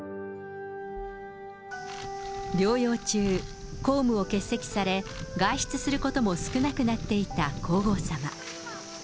療養中、公務を欠席され、外出することも少なくなっていた皇后さま。